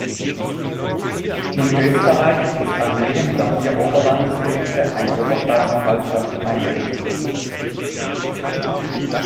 In Österreich ist an jedem der vier Oberlandesgerichte eine Oberstaatsanwaltschaft eingerichtet.